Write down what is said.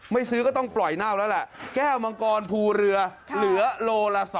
ซื้อก็ต้องปล่อยเน่าแล้วแหละแก้วมังกรภูเรือเหลือโลละ๒